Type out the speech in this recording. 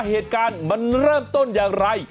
เหตุการณ์มันเริ่มต้นอย่างไร